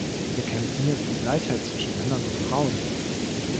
Wir kämpfen hier für die Gleichheit zwischen Männern und Frauen.